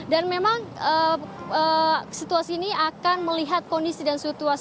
dan memang situasi ini akan melihat kondisi dan situasi